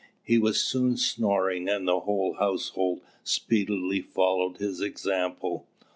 He was soon snoring, and the whole household speedily followed his example.